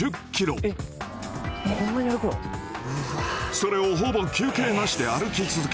それをほぼ休憩なしで歩き続け